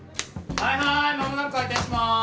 はいはい間もなく開店します。